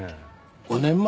５年前？